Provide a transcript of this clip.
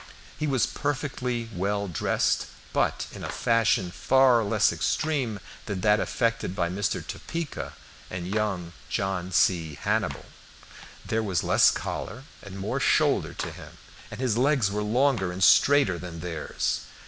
He was perfectly well dressed, but in a fashion far less extreme than that affected by Mr. Topeka and young John C. Hannibal. There was less collar and more shoulder to him, and his legs were longer and straighter than theirs.